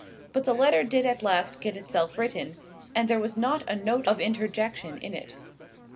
But the letter did at last get itself written, and there was not a note of interjection in it.